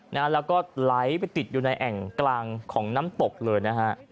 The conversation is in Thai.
นะฮะแล้วก็ไหลไปติดอยู่ในแอ่งกลางของน้ำตกเลยนะฮะ